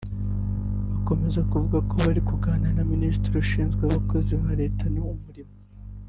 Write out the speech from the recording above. Akomeza avuga ko barimo kuganira na Minisiteri ishinzwe abakozi ba Leta n’umurimo